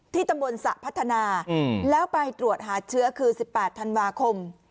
ตำบลสระพัฒนาแล้วไปตรวจหาเชื้อคือ๑๘ธันวาคม